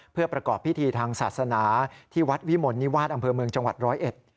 เพื่อประกอบพิธีทางศาสนาที่วัดวิมลนิวาสอำเภอเมืองจังหวัดร้อยเอ็ด